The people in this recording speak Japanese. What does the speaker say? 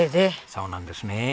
そうなんですね。